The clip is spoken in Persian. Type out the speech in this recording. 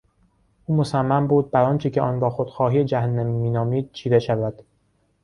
او مصصم بود بر آنچه که آن را خودخواهی جهنمی مینامید چیره شود.